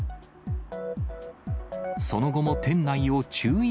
その後も店内を注意